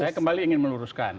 saya kembali ingin menuruskan